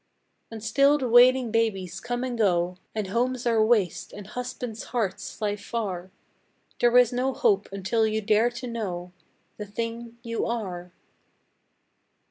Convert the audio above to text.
And still the wailing babies come and go, And homes are waste, and husbands' hearts fly far; There is no hope until you dare to know The thing you are!